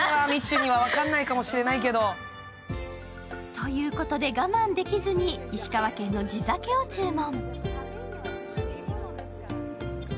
ということで、我慢できずに石川県の地酒を注文。